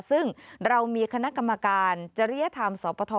ซึ่งเรามีคณะกรรมการจะเรียกทำสอบประทอ